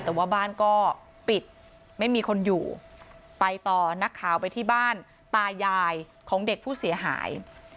แต่ว่าบ้านก็ปิดไม่มีคนอยู่ไปต่อนักข่าวไปที่บ้านตายายของเด็กผู้เสียหาย